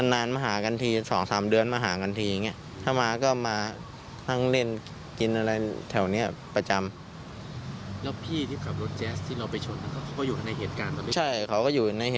นานมาหากันที๒๓เดือนมาหากันทีอย่างนี้ถ้ามาก็มานั่งเล่นกินอะไรแถวนี้ประจำ